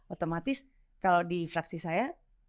otomatis kalau di fraksi saya